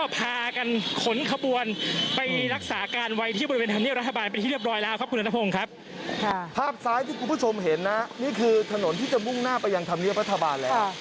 ภาพซ้ายที่คุณผู้ชมเห็นนะนี่คือถนนที่จะมุ่งหน้าไปยังธรรมเนียบรัฐบาลแล้ว